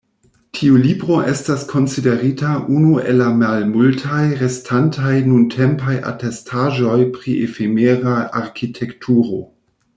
Tiu libro estas konsiderita unu el la malmultaj restantaj nuntempaj atestaĵoj pri efemera arkitekturo.